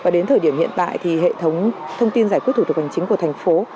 đến thời điểm hiện tại hệ thống thông tin giải quyết thủ tục ảnh chính của thành phố